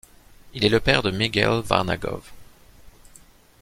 Il est le père de Mikhaïl Varnakov.